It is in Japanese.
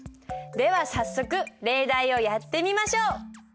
では早速例題をやってみましょう！